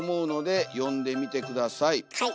はい。